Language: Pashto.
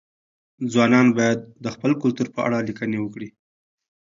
ځوانان باید د خپل کلتور په اړه لیکني وکړي.